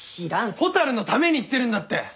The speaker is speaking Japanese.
蛍のために言ってるんだって！